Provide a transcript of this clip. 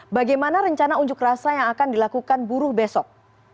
bagaimana rencana unjuk rasa yang akan dilakukan buruh besok